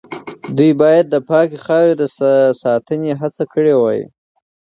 دوی باید د پاکې خاورې د ساتنې هڅه کړې وای.